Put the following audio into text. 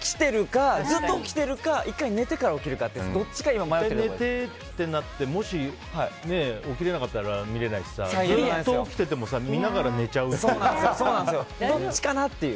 ずっと起きてるか１回寝てから起きるかじゃあ、寝てとなってももし起きれなかったら見れないしさずっと起きてても見ながら寝ちゃうっていう。